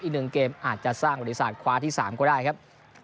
อีก๑เกมอาจจะสร้างบริษัทคว้าที่๓ก็ได้ครับ